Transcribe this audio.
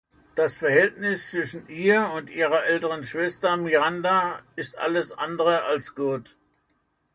Das Verhältnis zwischen ihr und ihrer älteren Schwester Miranda ist alles andere als gut.